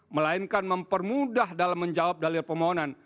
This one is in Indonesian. melainkan mempermudah dalam menjawab dalil permohonan